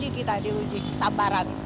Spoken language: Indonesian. ini uji kita di uji kesabaran